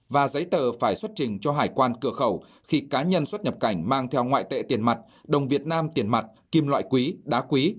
và giấy tờ phải xuất trình cho hải quan cửa khẩu khi cá nhân xuất nhập cảnh mang theo ngoại tệ tiền mặt đồng việt nam tiền mặt kim loại quý đá quý